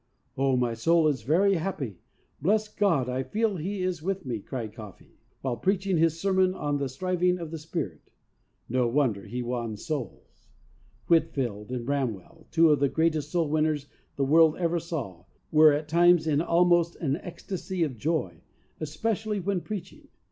"Oh, my soul is very happy! Bless God, I feel He is with me," cried Caughey, while preaching his sermon on "The Striving of the Spirit." No wonder he won souls. PERSONAL EXPERIENCE. 7 Whitefield and Bramwell, two of the greatest soul winners the world ever saw, were at times in almost an ecstasy of joy, especially when preaching.